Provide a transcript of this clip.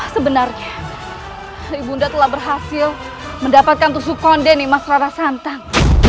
sebenarnya ibu nda telah berhasil mendapatkan tusuk konde nih mas rara santang